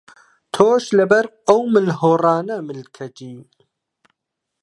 تۆش لەبەر ئەو ملهوڕانە ملکەچی؟